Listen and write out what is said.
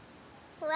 うわ！